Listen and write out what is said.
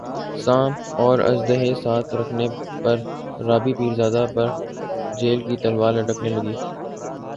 سانپ اور اژدھے ساتھ رکھنے پر رابی پیرزادہ پر جیل کی تلوار لٹکنے لگی